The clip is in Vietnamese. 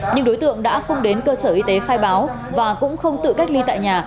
nhưng đối tượng đã không đến cơ sở y tế khai báo và cũng không tự cách ly tại nhà